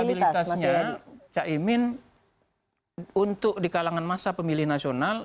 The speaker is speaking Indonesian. akseptabilitasnya ca imin untuk di kalangan masa pemilih nasional